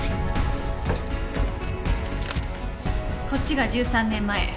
こっちが１３年前。